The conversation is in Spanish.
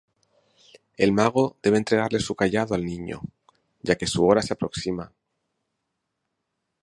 El mago debe entregarle su cayado al niño, ya que su hora se aproxima.